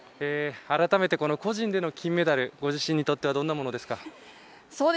改めて、個人での金メダルご自身にとってはどんなものですか？